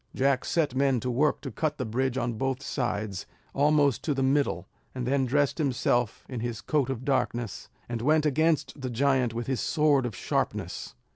Jack set men to work to cut the bridge on both sides, almost to the middle; and then dressed himself in his coat of darkness, and went against the giant with his sword of sharpness.